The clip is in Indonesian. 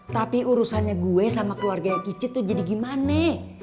tapi urusannya gue sama keluarga yang kicit tuh jadi gimane